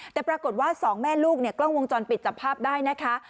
แต่ปรากฏว่าสองแม่ลูกเนี่ยกล้องวงจรปิดจับภาพได้นะคะ